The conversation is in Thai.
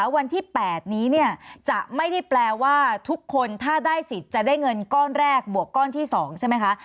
วันที่๘นี้จะไม่ได้แปลว่าทุกคนถ้าได้สิทธิ์จะได้เงินก้อนแรกบวกก้อนที่๒ใช่ไหมคะ